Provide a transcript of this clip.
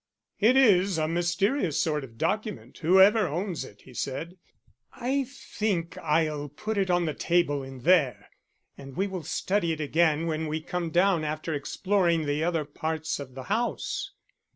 "It is a mysterious sort of document, whoever owns it," he said. "I think I'll put it on the table in there and we will study it again when we come down after exploring the other parts of the house."